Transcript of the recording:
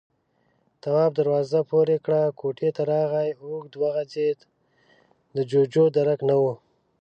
تواب دروازه پورې کړه، کوټې ته راغی، اوږد وغځېد، د جُوجُو درک نه و.